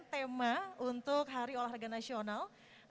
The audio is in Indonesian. tema untuk hari olahraga nasional dua ribu dua puluh